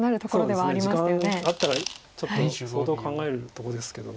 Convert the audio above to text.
時間あったらちょっと相当考えるとこですけど。